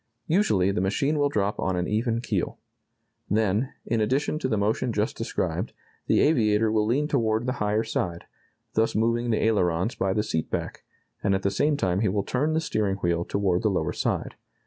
Usually, the machine will drop on an even keel. Then, in addition to the motion just described, the aviator will lean toward the higher side, thus moving the ailerons by the seat back, and at the same time he will turn the steering wheel toward the lower side.